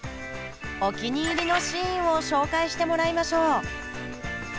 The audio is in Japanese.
お気に入りのシーンを紹介してもらいましょう！